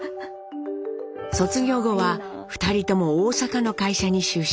卒業後は２人とも大阪の会社に就職。